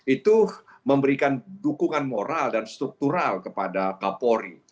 itu memberikan dukungan moral dan struktural kepada kapolri